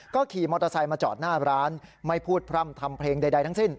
ขี่มอเตอร์ไซค์มาจอดหน้าร้านไม่พูดพร่ำทำเพลงใดทั้งสิ้น